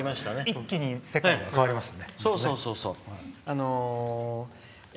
一気に世界が変わりますね。